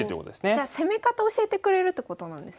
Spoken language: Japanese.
じゃ攻め方教えてくれるってことなんですね。